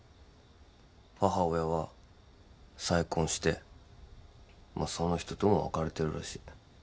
母親は再婚してまあその人とも別れてるらしい。